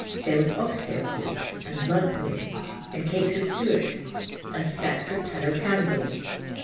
There was oxtail soup, and blood pudding, and cakes of suet, and stacks of tallow candles.